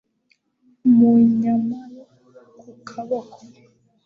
mu nyama yo ku kaboko